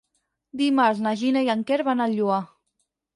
Dimarts na Gina i en Quer van al Lloar.